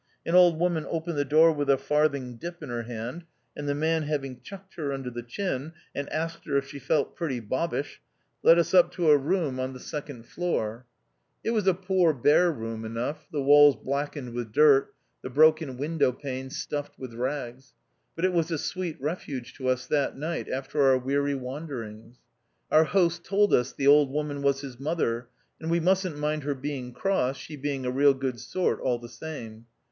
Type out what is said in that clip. An old woman opened the door with a farthing dip in her hand, and the man having chucked her under the chin, and asked her if she felt pretty bobbish, led us up to a room on the 202 THE OUTCAST. second floor. It was a poor bare room enough, the walls blackened with dirt, the broken window panes stuffed with rags ; but it was a sweet refuge to us that night after our weary wanderings. Our host told lis the old woman was his mother, and we musn't mind her being cross, she being a real good sort all the same.